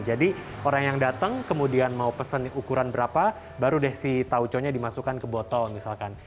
jadi orang yang datang kemudian mau pesen ukuran berapa baru deh si tauchonya dimasukkan ke botol misalkan